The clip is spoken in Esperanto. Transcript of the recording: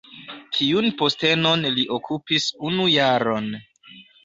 Tiun postenon li okupis unu jaron.